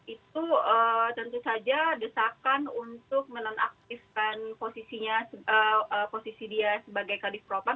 itu tentu saja desakan untuk menonaktifkan posisi dia sebagai kadif propam